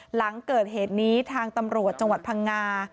หลังเกิดเหตุนี้ทางตำรวจจังหวัดพังงา